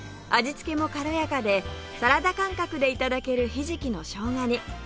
味付けも軽やかでサラダ感覚で頂けるひじきのしょうが煮